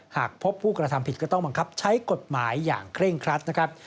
หากพบผู้กระทำผิดก็ต้องบังคับใช้กฎหมายอย่างเคร่งครัดนะครับ